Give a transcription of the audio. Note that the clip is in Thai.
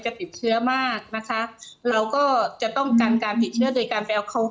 ติดเชื้อมากนะคะเราก็จะต้องกันการติดเชื้อโดยการไปเอาเขา